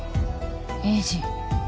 栄治